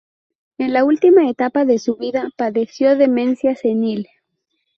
En la última etapa de su vida padeció demencia senil.